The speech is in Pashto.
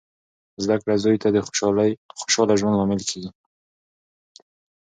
زده کړه زوی ته د خوشخاله ژوند لامل کیږي.